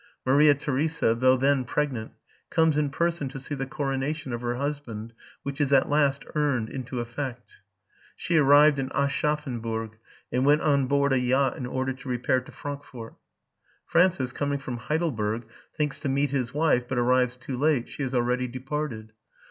Maria Theresa, though then pregnant, comes in person to see the coronation of her husband, which is at last carried into effect. She arrived at Aschaffenburg, and went on board a yacht in order to repair to Frankfort. F rancis, coming from Heidelberg, thinks to meet his wife, but arrives too late : she has already departed.